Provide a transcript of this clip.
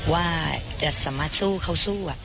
ว่าจะสามารถสู้เขาสู้